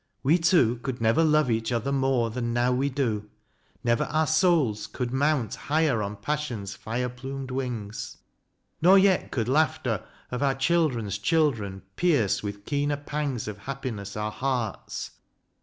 We two could never love each other more Than now we do ; never our souls could mount Higher on passion's fire plumed wings ; nor yet Could laughter of our children's children pierce With keener pangs of happiness our hearts.